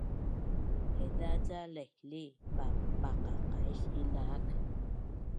Haiza ca laihlih paqaqais ii naak